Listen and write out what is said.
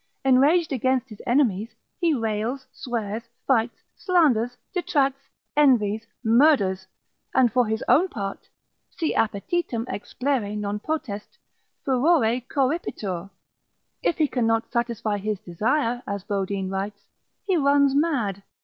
Enraged against his enemies, he rails, swears, fights, slanders, detracts, envies, murders: and for his own part, si appetitum explere non potest, furore corripitur; if he cannot satisfy his desire (as Bodine writes) he runs mad.